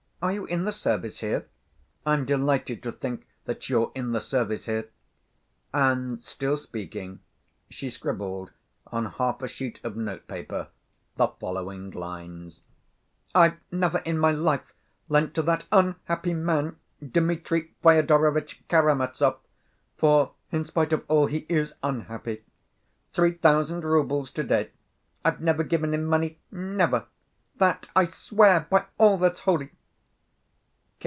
Are you in the service here? I'm delighted to think that you're in the service here!" And still speaking, she scribbled on half a sheet of notepaper the following lines: I've never in my life lent to that unhappy man, Dmitri Fyodorovitch Karamazov (for, in spite of all, he is unhappy), three thousand roubles to‐day. I've never given him money, never: That I swear by all that's holy!